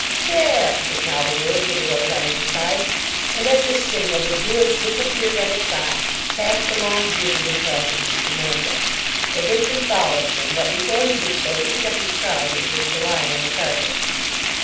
"Chair!" was now the word that arose on every side, and at this signal the Druids disappeared at a trot past the long bearded, impassive Mr. Maundrell. Their victim followed them, but before he did so he picked up his trousers which were lying on the carpet.